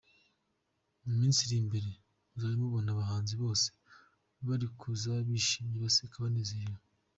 Mu minsi iri imbere muzajya mubona abahanzi bose bari kuza bishimye, baseka, banezerewe.